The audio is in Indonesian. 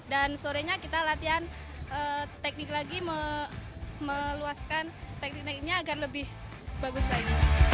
dan sorenya kita latihan teknik lagi meluaskan tekniknya agar lebih bagus lagi